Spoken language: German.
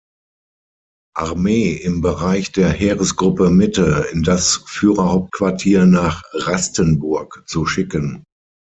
Armee im Bereich der Heeresgruppe Mitte, in das Führerhauptquartier nach Rastenburg zu schicken.